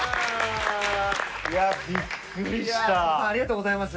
戸田さんありがとうございます。